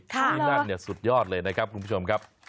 ที่นั่นสุดยอดเลยนะครับคุณผู้ชมครับ